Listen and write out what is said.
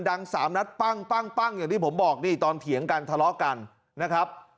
ดังสามนัดปั้งอย่างที่ผมบอกนี่ตอนเถียงกันทะเลาะกันนะครับ